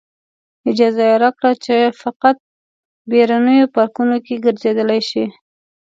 اجازه یې راکړه چې فقط بیرونیو پارکونو کې ګرځېدلی شئ.